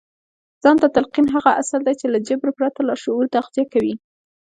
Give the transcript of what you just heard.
ځان ته تلقين هغه اصل دی چې له جبر پرته لاشعور تغذيه کوي.